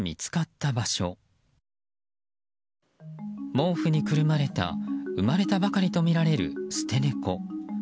毛布にくるまれた生まれたばかりとみられる捨て猫。